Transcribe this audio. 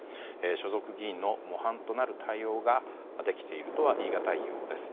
所属議員の模範となる対応ができているとは言いがたいようです。